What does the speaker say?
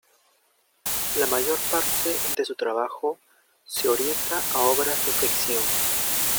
La mayor parte de su trabajo se orienta a obras de ficción.